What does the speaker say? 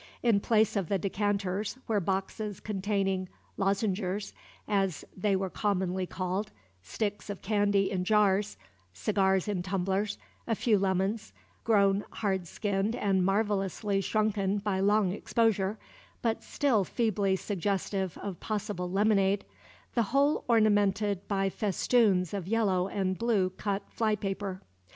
In place of the decanters, were boxes containing "lozengers," as they were commonly called, sticks of candy in jars, cigars in tumblers, a few lemons, grown hard skinned and marvellously shrunken by long exposure, but still feebly suggestive of possible lemonade, the whole ornamented by festoons of yellow and blue cut flypaper.